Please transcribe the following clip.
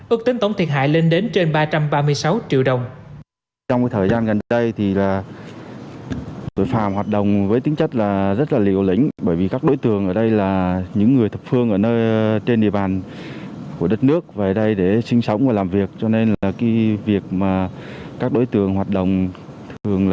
ước tính tổng thiệt hại lên đến trên ba trăm ba mươi sáu triệu đồng